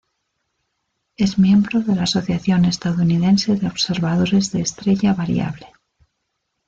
Es miembro de la Asociación Estadounidense de Observadores de Estrella Variable.